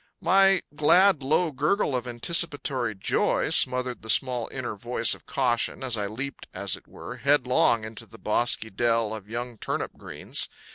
My glad low gurgle of anticipatory joy smothered the small inner voice of caution as I leaped, as it were, headlong into that bosky dell of young turnip greens.